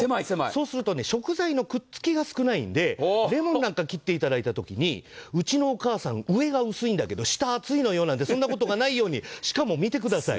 そうすると食材のくっつきが少ないのでレモンなんかを切っていただいた時にうちのお母さん上が薄いんだけど下が厚いのよなんてそんなことがないようにしかも見てください。